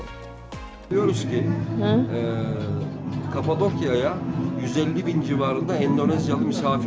dalam satu saat berjalan ke kapadokya mereka bisa melihat tanda tanda sejarah di sana